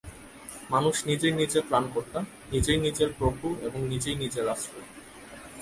মানুষ নিজেই নিজের ত্রাণকর্তা, নিজেই নিজের প্রভু এবং নিজেই নিজের আশ্রয়।